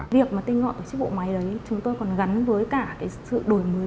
việc tinh ngọn tổ chức bộ máy đấy chúng tôi còn gắn với cả sự đổi mới